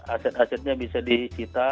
aset asetnya bisa dicita